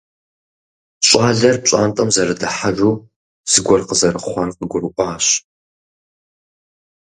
Щӏалэр пщӏантӏэм зэрыдыхьэжу, зыгуэр къызэрыхъуар къыгурыӏуащ.